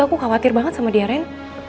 aku khawatir banget sama dia ren